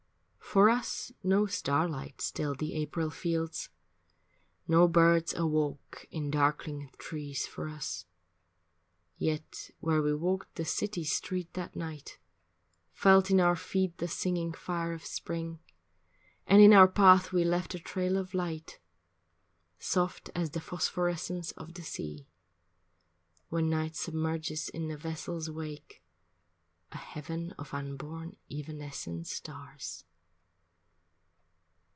For us no starlight stilled the April fields, No birds awoke in darkling trees for us, Yet where we walked the city's street that night Felt in our feet the singing fire of spring, And in our path we left a trail of light Soft as the phosphorescence of the sea When night submerges in the vessel's wake A heaven of unborn evanescent stars.